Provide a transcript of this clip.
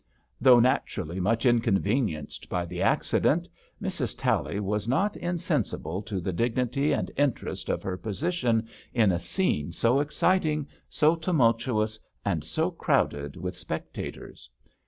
" Though naturally much inconvenienced by the accident, Mrs. Tally was not insen sible to the dignity and interest of her 60 MRS. TALLY position in a scene so exciting, so tumul tuous, and so crowded with spectators.